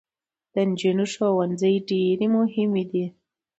د جینکو ښوونځي ډیر مهم دی